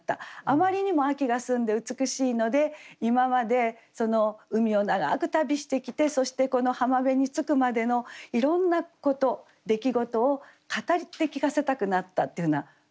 あまりにも秋が澄んで美しいので今まで海を長く旅してきてそしてこの浜辺に着くまでのいろんなこと出来事を語って聞かせたくなったっていうふうな句になると思うんですね。